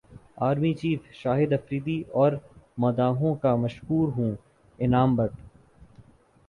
army چیفشاہد Afridi اور مداحوں کا مشکور ہوں انعام بٹ